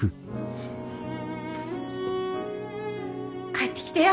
帰ってきてや。